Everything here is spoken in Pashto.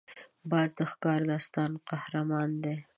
باز د ښکار د داستان قهرمان دی